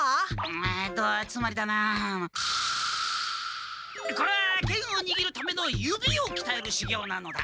えっとつまりだなこれは剣をにぎるための指をきたえるしゅぎょうなのだ！